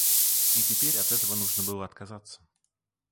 И теперь от этого нужно было отказаться!